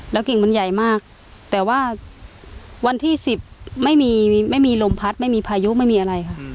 กิ่งมันใหญ่มากแต่ว่าวันที่๑๐ไม่มีไม่มีลมพัดไม่มีพายุไม่มีอะไรค่ะ